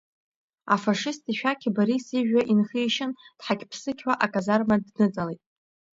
Афашист ишәақь Борис ижәҩа инхишьын, дҳақьԥсықьуа аказарма дныҵалеит.